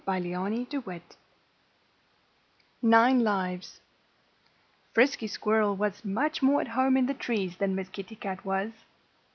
VIII NINE LIVES FRISKY SQUIRREL was much more at home in the trees than Miss Kitty Cat was.